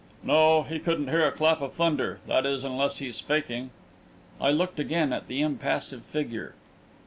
"No he couldn't hear a clap of thunder. That is, unless he's faking." I looked again at the impassive figure.